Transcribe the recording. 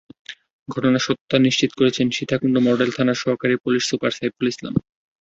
ঘটনার সত্যতা নিশ্চিত করেছেন সীতাকুণ্ড মডেল থানার সহকারী পুলিশ সুপার সাইফুল ইসলাম।